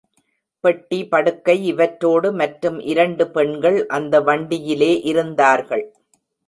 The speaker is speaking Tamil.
பெட்டி படுக்கை இவற்றோடு மற்றும் இரண்டு பெண்கள் அந்த வண்டியிலே இருந்தார்கள்.